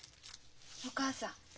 お母さん。